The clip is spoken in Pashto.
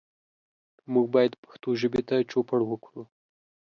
موږ باید پښتو ژبې ته چوپړ وکړو.